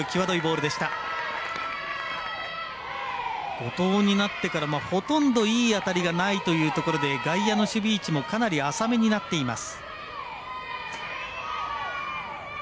後藤になってからほとんどいい当たりがないというところで外野の守備位置もかなり浅めになっています。